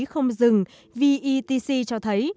không dừng vetc cho thấy